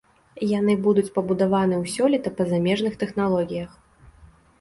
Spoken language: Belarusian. Яны будуць пабудаваны ў сёлета па замежных тэхналогіях.